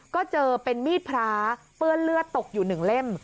ก็เจอเป็นมีดพระเปื้อนเลือดตกอยู่๑เล่ม